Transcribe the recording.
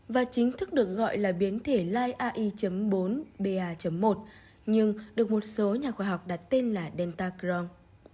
và chính thức được gọi là biến thể lai ai bốn ba một nhưng được một số nhà khoa học đặt tên là delta crong